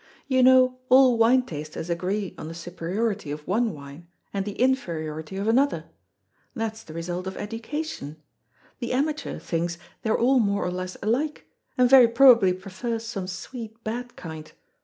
You know all wine tasters agree on the superiority of one wine, and the inferiority of another. That's the result of education. The amateur thinks they are all more or less alike, and very probably prefers some sweet bad kind.